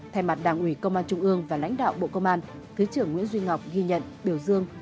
thay mặt đảng ủy công an trung ương và lãnh đạo bộ công an thứ trưởng nguyễn duy ngọc ghi nhận biểu dương